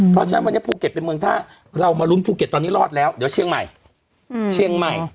เพราะฉะนั้นวันนี้ภูเก็ตเป็นเมืองถ้าเรามาลุ้นภูเก็ตตอนนี้รอดแล้วเดี๋ยวเชียงใหม่เชียงใหม่